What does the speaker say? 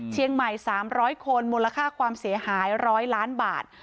เชียงใหม่๓๐๐คนมูลค่าความเสียหาย๑๐๐ล้านบาท